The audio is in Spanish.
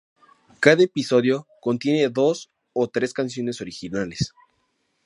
Cada episodio contiene dos o tres canciones originales.